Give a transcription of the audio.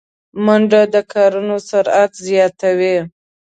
منډه د کارونو سرعت زیاتوي